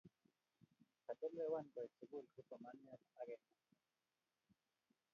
Kachelewan koit sukul kipsomaniat akenge